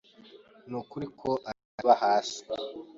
Nukuri ko areba hasi